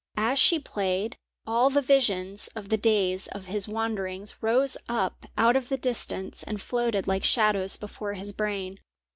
As she played, all the visions of the days of his wanderings rose up out of the distance and floated like shadows before his brain.